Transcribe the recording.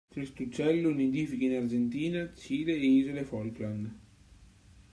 Questo uccello nidifica in Argentina, Cile e Isole Falkland.